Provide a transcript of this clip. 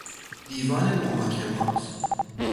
دیوان محاکمات